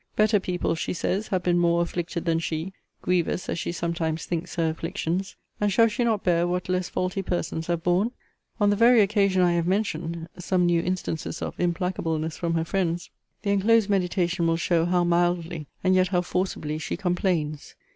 'Better people, she says, have been more afflicted than she, grievous as she sometimes thinks her afflictions: and shall she not bear what less faulty persons have borne?' On the very occasion I have mentioned, (some new instances of implacableness from her friends,) the enclosed meditation will show how mildly, and yet how forcibly, she complains.